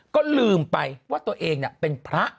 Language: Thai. ก็ลืมไปว่าตัวเองเป็นพระ